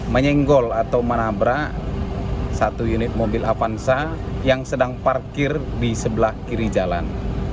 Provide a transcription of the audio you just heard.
menyenggol atau menabrak satu unit mobil avanza yang sedang parkir di sebelah kiri jalan